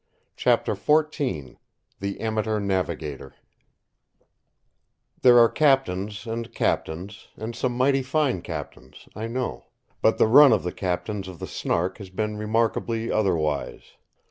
CHAPTER XIV THE AMATEUR NAVIGATOR There are captains and captains, and some mighty fine captains, I know; but the run of the captains on the Snark has been remarkably otherwise.